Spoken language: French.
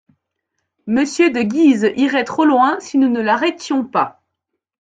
Monsieur de Guise irait trop loin, si nous ne l’arrêtions pas.